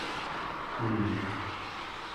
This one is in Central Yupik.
pen̄'aq